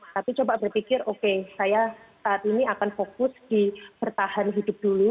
tapi coba berpikir oke saya saat ini akan fokus di bertahan hidup dulu